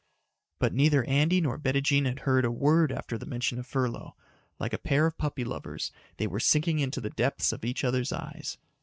But neither Andy nor Bettijean had heard a word after the mention of furlough. Like a pair of puppy lovers, they were sinking into the depths of each other's eyes.